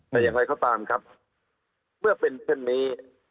แต่อย่างไรก็ตามครับเมื่อเป็นเช่นนี้